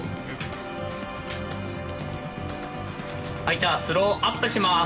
じゃあスローアップします。